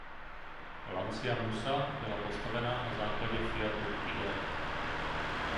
Lancia Musa byla postavena na základě Fiatu Idea.